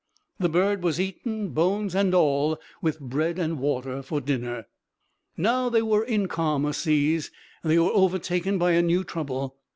The bird was eaten, bones and all, with bread and water, for dinner. Now they were in calmer seas, they were overtaken by a new trouble.